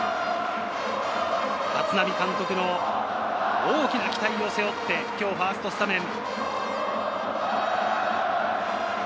立浪監督の大きな期待を背負ってファーストスタメン。